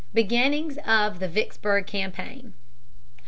Beginnings of the Vicksburg Campaign.